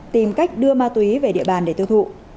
tìm cách đưa ma túy về địa bàn để tiêu thụ